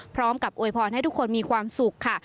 พร้อมกับอวยพรให้ทุกคนมีความสุขค่ะ